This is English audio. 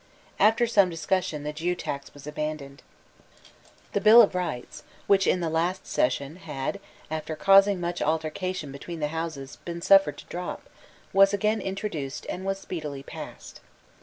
After some discussion, the Jew tax was abandoned, The Bill of Rights, which, in the last Session, had, after causing much altercation between the Houses, been suffered to drop, was again introduced, and was speedily passed.